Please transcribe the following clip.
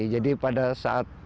jadi pada saat